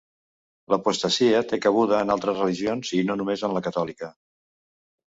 L'apostasia té cabuda en altres religions, i no només en la catòlica.